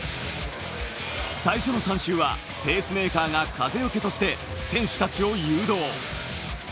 最初の３周はペースメーカーが風よけとして選手たちを誘導。